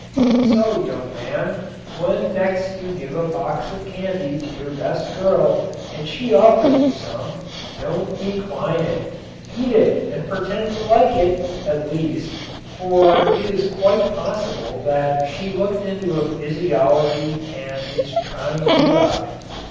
So, young man, when next you give a box of candy to your best girl and she offers you some, don't decline it. Eat it and pretend to like it, at least, for it is quite possible that she looked into a physiology and is trying you out.